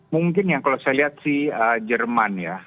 mungkin yang kalau saya lihat sih jerman ya